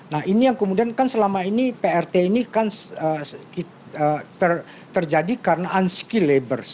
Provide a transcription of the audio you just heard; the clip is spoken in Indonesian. nah ini yang kemudian kan selama ini prt ini kan terjadi karena unskill labors